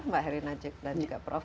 mbak herlina dan juga prof